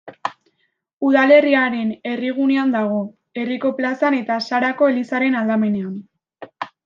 Udalerriaren herrigunean dago, herriko plazan eta Sarako elizaren aldamenean.